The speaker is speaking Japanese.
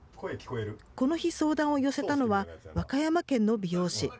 この日、相談を寄せたのは、和歌山県の美容師。